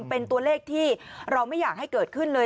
เป็นตัวเลขที่เราไม่อยากให้เกิดขึ้นเลย